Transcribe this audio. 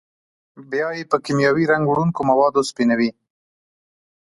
بیا یې په کېمیاوي رنګ وړونکو موادو رنګ سپینوي.